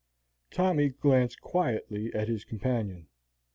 Tommy glanced quietly at his companion.